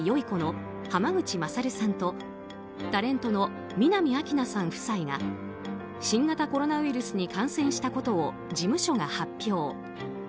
この濱口優さんとタレントの南明奈さん夫妻が新型コロナウイルスに感染したことを事務所が発表。